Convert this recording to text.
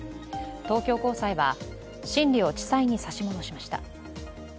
東京高裁は審理を地裁に差し戻しました。